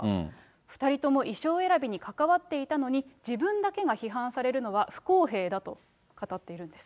２人とも衣装選びに関わっていたのに、自分だけが批判されるのは不公平だと語っているんです。